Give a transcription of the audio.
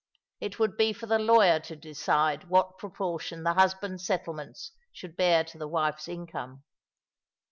It would be for the lawyer to decide what proportion the husband's settlements should bear to the wife's income.